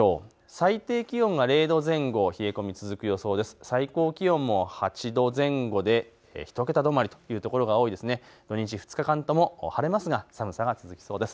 最低気温が０度前後冷え込みが続きそうです。